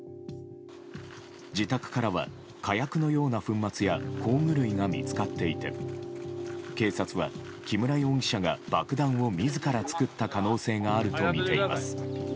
自宅からは火薬のような粉末や工具類が見つかっていて警察は木村容疑者が爆弾を自ら作った可能性があるとみています。